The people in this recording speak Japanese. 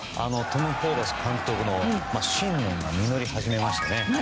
トム・ホーバス監督の信念が実り始めましたね。